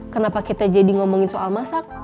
kenapa kita jadi ngomongin soal masak